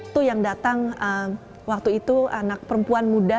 itu yang datang waktu itu anak perempuan muda